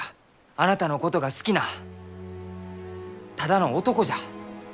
あなたのことが好きなただの男じゃ！